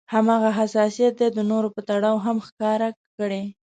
هماغه حساسيت دې د نورو په تړاو هم ښکاره کړي.